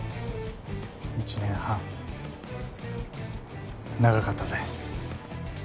１年半長かったぜ。